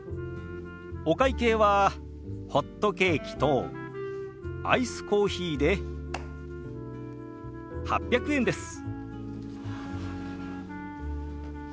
お会計はホットケーキとアイスコーヒーで８００円です。